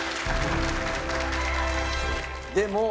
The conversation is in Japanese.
でも。